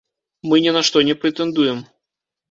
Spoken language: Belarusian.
Мы не на што не прэтэндуем.